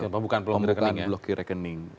pembukaan blokir rekening